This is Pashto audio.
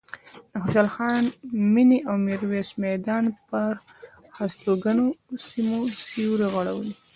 د خوشحال خان مېنې او میرویس میدان پر هستوګنو سیمو سیوری غوړولی.